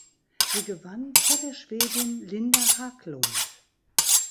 Sie gewann vor der Schwedin Linda Haglund.